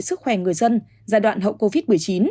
sức khỏe người dân giai đoạn hậu covid một mươi chín